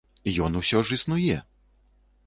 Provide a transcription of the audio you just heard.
Ён усё ж існуе.